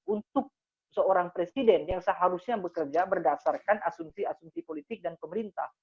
untuk seorang presiden yang seharusnya bekerja berdasarkan asumsi asumsi politik dan pemerintah